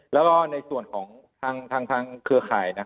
แล้วก็ในส่วนของทางเครือข่าย